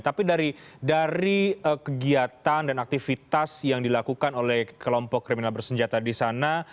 tapi dari kegiatan dan aktivitas yang dilakukan oleh kelompok kriminal bersenjata di sana